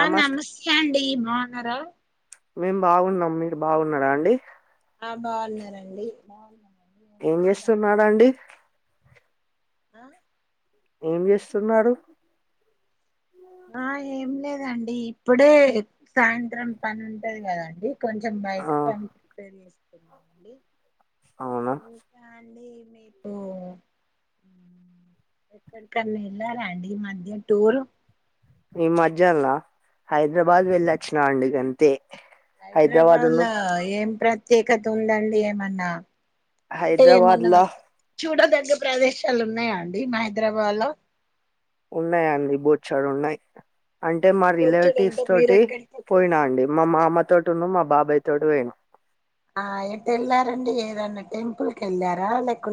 ఆ నమస్తే అండి బావున్నార మేం బాగున్నాం మీరు బాగున్నరా అండి. ఆ బాగున్నారండి బా ఏం చేస్తున్నారండి అ ఏం చేస్తున్నారు ఆ ఏం లేదండి ఇప్పుడే సాయంత్రం పని ఉంటది కదండి కొంచెం బయట ఆ పని ప్రిపేర్ చేసుకున్నాండి [unintelligible] అవునా ఇకా అండి మీకు ఎక్కడికన్నా ఎల్లారా అండి మధ్య టూర్ ఈ మజ్జల్న ఆ, హైదరాబాద్ వెళ్లొచ్చినా అండి గంతే. హైదరాబాద్ లో ఏం ప్రత్యేకత ఉందండి ఏమన్నా అంటే ఏమన్నా హైదరాబాద్ల చూడదగ్గ ప్రదేశాలు ఉన్నాయా అండి హైదరాబాద్ లో ఉన్నాయ్ అండి బోచ్చాడున్నయ్. అంటే మా రిలేటివ్స్ కూర్చుంటే తోటి మీరెక్కడికి పోయినా వెళ్ళారండి అండి మా మామ తో. [unintelligible] మా బాబాయ్ తోడు పోయిన ఆ ఎట్ వెళ్లారండి ఏదన్నా టెంపుల్ కెళ్ళారా లేకు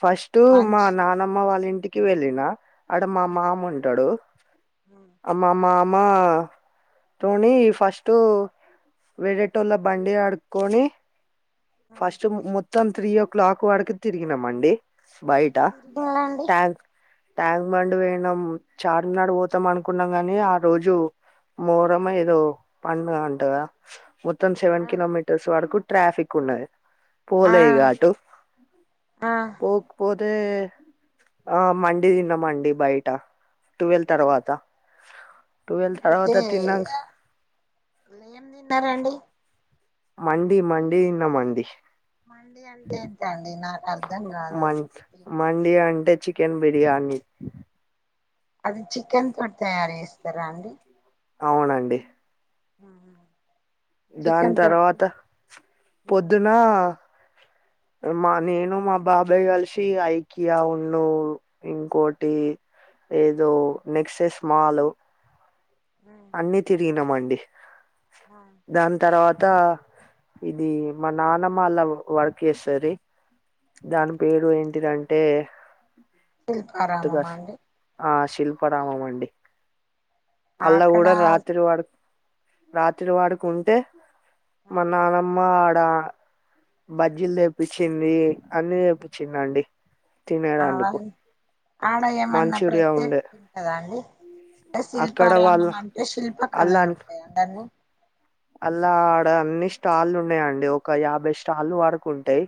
ఫస్టు మా నానమ్మ వాళ్ళ ఇంటికి వెళ్ళిన. ఆడ మా మామ ఉంటాడు అ మామ తోని ఫస్టు. వేరేటోళ్ళ బండి ఆడుకొని ఫస్ట్ మొత్తం త్రీ ఓ క్లాక్ వరికి తిరిగిన మండి ఎటు బైట [unintelligible] తిరిగిల్లండి ట్యాంగ్ బండ్ బోయినం చార్మినార్ పోతాం అనుకున్నాం గాని ఆ రోజు. మోరమా ఏదో పండగంటగా మొత్తం సెవెన్ ఆ కిలోమీటర్స్ వరకు ట్రాఫిక్ ఉన్న [unintelligible] పోలే ఈగాటు ఆ పోకపోతే ఆ మండి తిన్నామండి బయట ట్వెల్వ్ తర్వాత టువెల్ అయితే తర్వాత తిన్నాక ఏం తిన్నారండి మండి మండి తిన్నమండి. మండి అంటే ఏంటండీ నా. మ మండి అంటే చికెన్ బిర్యానీ అది చికెన్ తోటి తయారు చేస్తారా అండి అవునండి ఆ [unintelligible] తర్వాత పొద్దున్న. [inaudible] మా నేను మా బాబాయ్ కలిసి ఐకియా ఉండు ఇంకోటి ఏదో నెక్సెస్ మాల్ అన్ని తిరిగినమండి దాని తర్వా అంత ఇది మా నానమ్మ అలా వర్క్ చేస్తది దాని పేరు ఏంటిదంటే శిల్పా రామామ అండి. శిల్ప రామామండి. అల్ల అక్కడ కూడా రాత్రి వాడు రాత్రి వాడుకు ఉంటే మా నానమ్మ బజ్జీలు తెప్పించింది అన్ని తెప్పించింది అండి ఆడ ఏమన్నా మంచూరియా ఉండే ప్రత్యేకత ఉంటదా అండి [unintelligible] అక్కడ వాళ్ళ శిల్పారామం అంటే శిల్ప అల్లా కళలుంటాయా అన్ని. అల్లా ఆడ అన్ని స్టాల్లున్నయండి. ఒక యాభై స్టాల్లు వరకు ఉంటయి.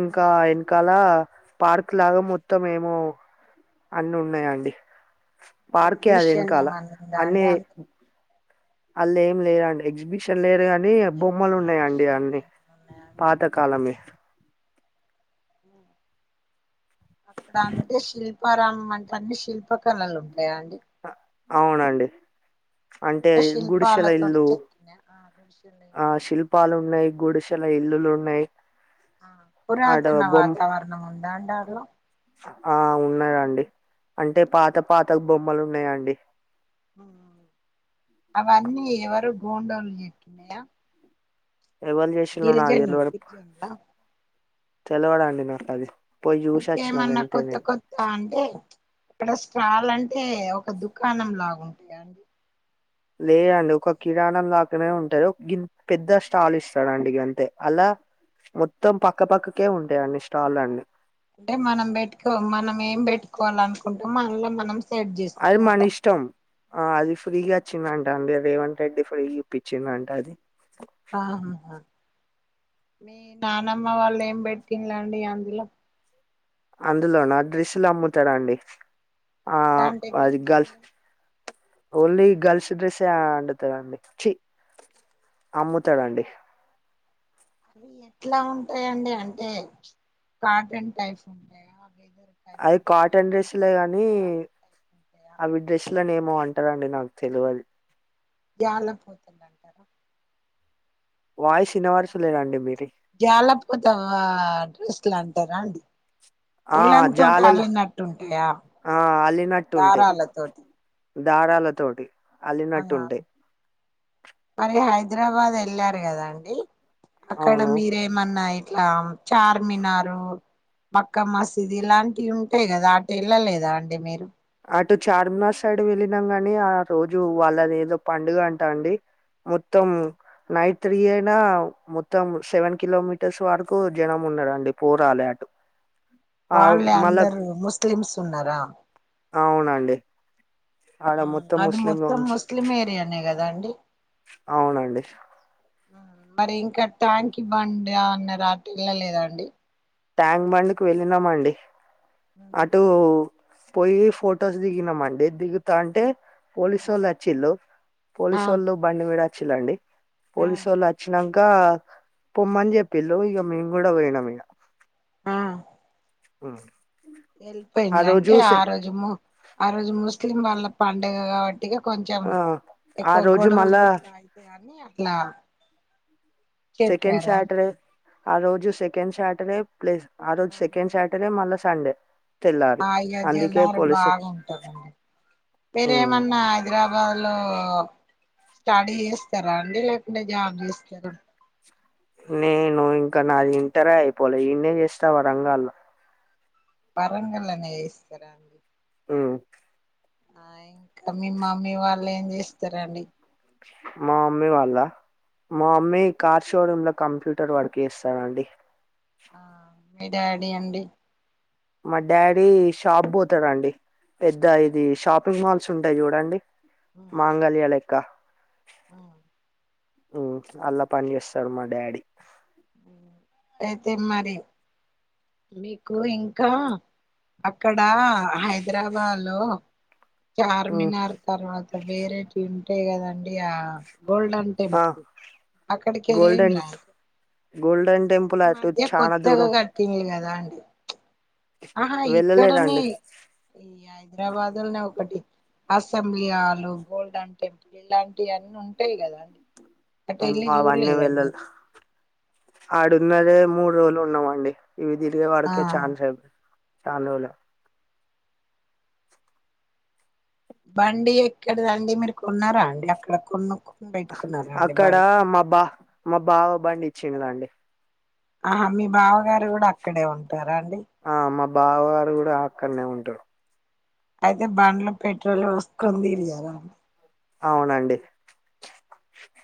ఇంకా ఎనకాల పార్క్ లాగా మొత్తం ఏమో అన్ని ఉన్నయండీ. పార్కే అది ఎగ్జిబిషన్ ఎనకాల ఏమన్నా ఉందా అండి అన్నీ అంత అల్ల ఏం లేదండి. ఎగ్జిబిషన్ లేదు కానీ నీ బొమ్మలున్నయండి ప్రదర్శనలు అన్ని ఏమన్నా ఉన్నాయా అండి పాతకాలంవి. అక్కడ అంటే శిల్పారామాం అంటె అన్ని శిల్ప కళలు ఉంటయా అండి. అవునండి. అంటే గుడిశెల శిల్పాలతోటి ఇల్లు, చెక్కిన ఆ ఆ గుడిసెలు శిల్పాలు ఉన్నయి గుడిశె ల ఇల్లులున్నయ్. పురాతన వాతావరణం ఉందా దాన్లో ఆ ఉన్నదండి అంటే పాత పాత బొమ్మలు ఉన్నయండి. అవన్నీ ఎవరు గోండోలు చెక్కినయా. ఎవలు చేశిల్లో నాకు గిరిజనులు తెలవదు. గిరిజనులా తెలవదండి నాకు అది. పోయి చూసి వచ్చిన ఇంకేమన్నా గంతే కొత్త నేను కొత్త అంటే ఇక్కడ స్టాలంటే ఒక దుకాణం లాగుంటయా అండి. లేదండి ఒక కిరాణం లాగనే ఉంటది. ఓ గి పెద్ద స్టాల్ ఇస్తడండి గంతే అల్లా మొత్తం పక్కపక్కకే ఉంటయన్ని స్టాల్ అండి. అంటే మనం పెట్టుకో మనం ఏం పెట్టుకోవాలనుకుంటమో అన్ల మనం సెట్ అది మన చేసుకోవాలా ఇష్టం. ఆ అది ఫ్రీగా అచ్చిందంట అండి. రేవంత్ రెడ్డి ఫ్రీగా ఇప్పించిండంట అది. ఆహాహా హా మీ నానమ్మ వాళ్ళు ఏం బెట్టిలండి అందులా. అందులోనా డ్రెస్సులు అమ్ముతరండి ఆ ఎలాంటి అది డ్రెస్లు గల్స్ అండి ఓన్లీ గర్ల్స్ డ్రెస్సే అండుతదండి. చీ అమ్ముతరండి. అవి ఎట్లా ఉంటాయండి అంటే కాటన్ టైప్స్ ఉంటయా. అవి కాటన్ డ్రెస్సులే కని దారం టైప్ ఉంటాయా అవి డ్రెస్సులని ఏమో అం అంటరు అండి నాకు తెలవది. గ్యాలకు పోతుంది అంటరా వాయిస్ ఇనవరసలేదండి మీది గ్యాల పోతా డ్రెస్లు అంటరా అండి. ఆ ఉలెన్ తోటి జాలలు అల్లినట్టుంటయా ఆ దారాలతోటి. దారాల తోటి. ఆ మరి హైదరాబాద్ ఎళ్ళారు కదా అండి. అక్కడ అవును మీరేమన్నా ఇట్లా చార్మినారు మక్క మసీదు ఇలాంటియి ఉంటయి గాదా అటెల్లలేదా అండి మీరు. అటు చార్మినార్ సైడ్ వెళ్ళినాం కానీ ఆ రోజు వాళ్ళ ఏదో పండుగ అంటా అండి. మొత్తం నైట్ తిరిగినా మొత్తం సెవెన్ కిలోమటర్స్ వరకు జనం ఉన్నరండి పోరాలే అటు. ఆ వాళ్ళే మళ్ళా అందరు ముస్లిమ్స్ ఉన్నరా? అవునండి ఆడ ఆ మొత్తం అది ముస్లిం మొత్తం ముస్లిం ఏరియానే కదా అండి. అవునండి. మరి ఇంకా ట్యాంకీ ఇ బండ్ అన్నరా అటు వెళ్ళలేదా అండి. ట్యాంక్ బండ్కి వెళ్ళినామండి అటు పోయి ఫొటోస్ దిగినమండి దిగుతాంటే పోలీసోళ్ళు అచ్చిళ్ళు. ఆ పోలీసోళ్ళు బండి మీద వచ్చిల్ళండి, ఆ పోలీసోళ్ళు అచ్చినం కా పొమ్మని చెప్పిళ్ళు ఇగ మేము కూడా పోయినం ఇగా. హ్ ఎళ్ళిపోయిలంటే ఆ రోజు ము ఆ రోజు ముస్లిం వాళ్ళ పండుగ కాబ ఇగ కొంచెం ఆ ఆ ఎక్కువ రోజు గొడవలు మళ్ళా గిట్ల ఇట్లా అయితానీ అని అట్లా సెకెండ్ చెప్పారా సాటర్డే ఆ రోజు సెకండ్ సాటర్డే. ప్లేస్ ఆ రోజు సెకండ్ సాటర్డే ముళ్ళ సండే తెల్లారి ఆ ఇగ అందుకే జల్దర పోలీసు బాగుంటదండి మీరేమన్నా హైదరాబాద్ లో స్టడీ చేస్తరా అండి లేకుంటే జాబ్ చేస్తారుా నేను్వు ఇంకా నాది ఇంటారే అయిపోలే ఇన్నే చేస్తావ రంగాల్లో వరంగల్లనే చేస్తరా అండి ఉ ఆ ఇంక మీ మమ్మీ వాళ్లేం జేస్తరండి మా అమ్మీ వాళ్ళ మా అమ్మీ కార్ షోరూమ్ లో కంప్యూటర్ వర్క్ చేస్తాారంండి ఆ మీ డాడీ అండి మా డాడీ షాప్ కి పోతాడండి పెద్ద ఇది షాపింగ్ మాల్స్ ఉంటాయి చూడండి మాంగళ్యా లెక్క అ అల్లా పని చేస్తాడు మా డాడీ అయితే మరి మీకు ఇంకా అప్ ఇక్కడ హైద్రాబాద్ లో చార్మినార్ తర్వాత పేరేటీ ఉంటాయి కదండి ఆ గోల్డెన్ ఆ టెంపుల్ అక్కడికి వెళ్ళిం గోల్డెన్ లా గోల్డెన్ ఈ టెంపుల్ అటు మధ్య చాలా కొత్తగా దూరం కట్టింది కదా అండి ఆహా ఇక్కడనే వెళ్ళలేదండి ఈ హైద్రాబాదునే ఒకటి అసెంబ్లీ ఆలు గోల్డెన్ టెంపుల్ ఇలాంటివన్నీ ఉంటాయి కదా అండి అటు ఏమో వెళ్ళి ఆ వన్ని చూడలేదా వెళ్ళలు మీరు ఆడు చిన్నదే మూడు రోజులు ఉన్నా మండి ఇవి తిరిగే ఆ వాడికే ఛాన్స్ అయియి ఛాన్ రోజులు బండి ఎక్కడదండి మీరు కొన్నార అండి అక్కడ కొన్ని అక్కడ మా బా మా బావ బండి ఇచ్చిందిదండి ఆహా మీ బావగారు కూడ అక్కడే ఉంటార అండి ఆ మా బావ గారు కూడ అక్కడ్నే ఉంటారు అయితే బండ్లో పెట్రోలు పోస్కోని తీస్ అవునండి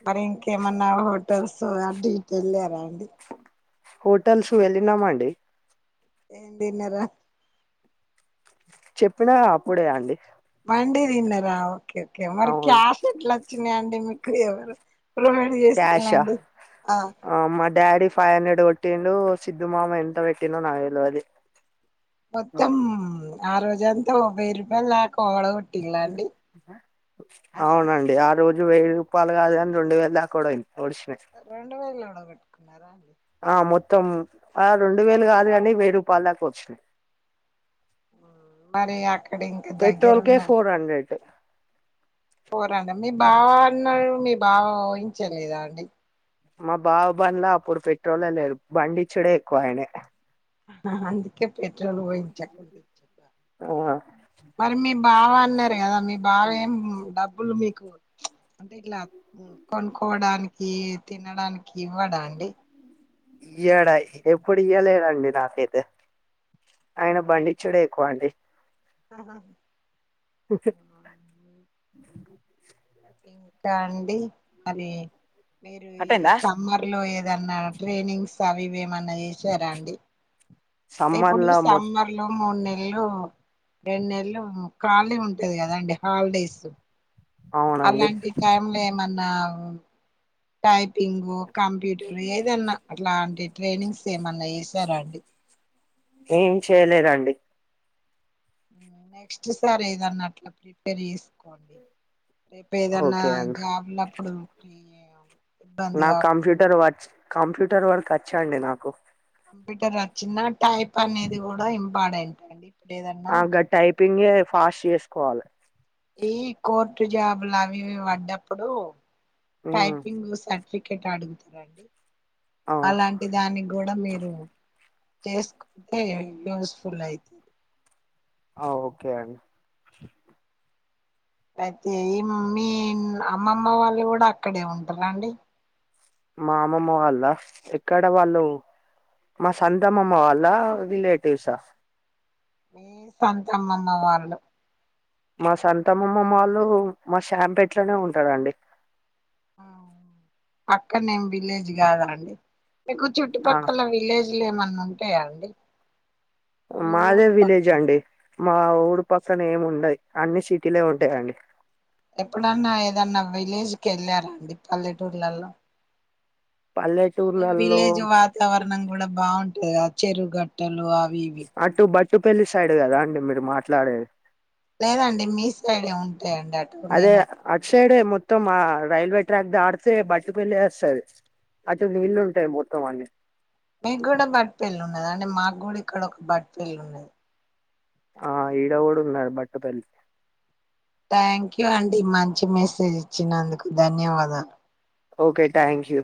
మరి ఇంకేమన్నా హోటల్స్ ఆడిగి వెళ్ళార అండి హోటల్స్ వెలినా మండి ఏం తిన్న రా చెప్పినా అప్పుడే అండి బండి తిన్నరా ఓకే ఓకే మరి అవును క్యాష్ ఎట్ల వచ్చి నాయండి మీకు ఎవరు ప్రొవైడ్ క్యాషా చేసిలాండి ఆ మా డాడీ ఫైవ్ హండ్రెడ్ కొట్టిండు సిద్ధు మామ ఎంత పెట్టినో నావ తెల్వది మొత్తం ఆ రోజంతా వెయ్యి రూపాయలు దాక కొట్టిలా అండి అవునండి ఆ రోజు వెయ్యి రూపాలు కాదు కాని రెండు వేలు దాక కూడా అయింది రెండు వేలు ఊడ పెట్టుకున్నార ఆ మొత్తం ఆ రెండు వేలు కాదు కానీ వెయ్యి రూపాయల దాక వచ్చినయి మ్మ్. మరి అక్కడ ఇంకా పెట్రోల్ కే దగ్గరున్న ఫోర్ హండ్రెడ్ పోరండి మీ బావాన్నడు మీ బావ ఊహించలేదా అండి మా బాబువల్లా అప్పుడు పెట్రోలే లేరు బండిచ్చుడే ఎక్కువయనే అందుకే పెట్రోల్ పోయించా కొడుద ఆ మరి మీ బావ అన్నారు కదా మీ బావ ఏం డబ్బులు మీకు అంటే ఇట్లా కొనుక్కోవడానికి తినడానికి ఇవ్వడా అండి ఇయ్యడా ఎప్పుడు ఇయ్యలేదండి నాకైతే ఆయన బండిచ్చుడే ఎక్కువ అండి ఆహ ఒకే ఇంకా అండి మరి మీరు ఈ సమ్మర్ లో ఏద ఏదన్నా ట్రైనింగ్స్ అవి ఇవి ఎమన్నా చేసారా అండి ఇప్పుడు సమ్మర్లా మొ సమ్మర్ లో మూడు నెల ఎల్లు రెండు నెల్లు ఖాళీ ఉంటది కద అండి హాలిడేసు అవునండి అలాంటి టైంలా ఏమన్నా టైప్ పింగు కంప్యూటర్ ఏదన్నా అట్లాంటి ట్రైనింగ్స్ ఏమన్నా చేసారా అండి ఏం చేయలేదండి నెక్స్ట్ సారి ఏదన్నా అట్లా ప్రిపేర్ చేసుకోండి రేపు ఏదన్నా ఓకే అండి జాబ్ల అప్పుడు ఓటియే నాకు కంప్యూటర్ వర్చ్ కంప్యూటర్ వర్క్ వచ్చాండి నాకు కంప్యూటర్ వచ్చిన టైప్ అనేది కూడా ఇంపార్టెంటే అండి ఇప్పుడు ఏదన్నా పింగే ఫాస్ట్ చేసుకోవాల ఈ కోర్టు జాబులు అవి ఇవు పడ్డప్పుడు మ్మ్ టైపింగ్ స ఫికేట్ అడుగుతురండి ఆ అలాంటి దానికి కూడా మీరు చేసుకుంటే యూస్ఫుల్ అయితు ఆ ఓకే అండి అయితే ఈ మీ అమ్మమ్మ వాళ్ళు కూడా అక్కడే ఉంటారా అండి మా అమ్మమ్మ వాళ్ళ ఎక్కడ వాళ్ళు మా సంత అమ్మమ్మ వాళ్ళ రిలేటివ్సా ఆ మీ సంత అమ్మమ్మ వాళ్ళు మా సంత అమ్మమ్మ వాళ్ళు మా శాంపెట్లోనే ఉంటారండి పక్కనే ఏం విలేజ్ కాదా అండి మీకు ఆ చుట్టుపక్కల విలేజ్ ఇల్లు ఏమన్నా ఉంటాయా అండి మీ మాదే ఊరు పక్క విలేజ్ అండి మా ఊరు పక్కన ఏమి ఉండయ్ అన్ని సిటీలే ఉంటాయండి ఎప్పుడన్నా ఏదన్నా విలేజ్ కి వెళ్ళారా అండి పల్లెటూర్లలో ఏం పల్లెటూర్లలో విలేజ్ వాతావరణం కూడా బాగుంటది కదా చెరుగట్టలు అ అటు బట్టుపల్లి సైడ్ కదా అండి మీరు మాట్లాడేది లేదండి మీ సైడ్ ఎ ఉంటాయండి అటు నేను ఇటుసైడే మొత్తం ఆ రైల్వే ట్రాక్ దాటితే బట్టుపల్లే వస్తది అటు నీళ్లు ఉంటాయ్ మొత్తం అండి మీకు కూడా బట్ పిల్ ఉన్నది అంటే మాకు కూడా ఇక్కడ ఒక బట్ పిల్ ఉన్నది ఆ ఇడ కూడా ఉన్నాది బట్ పల్లి థ్యాంక్ అండి మంచి మెసేజ్ ఇచ్చినందుకు ధన్యవాదాలు ఓకే థ్యాంక్ యూ